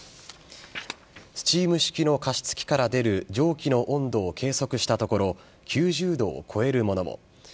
スチーム式の加湿器から出る蒸気の温度を計測したところ９０度を超えるものも。